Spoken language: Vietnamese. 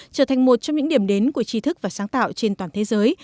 trở thành một trong những điểm đến của trí thức và sáng tạo trên toàn thế giới